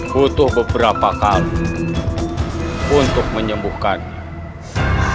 butuh beberapa kali untuk menyembuhkannya